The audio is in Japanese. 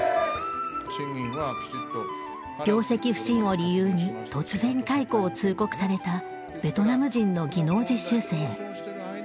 業績不振を理由に突然解雇を通告されたベトナム人の技能実習生。